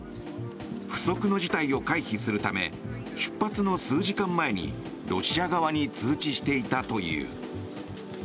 不測の事態を回避するため出発の数時間前にロシア側に通知していたという。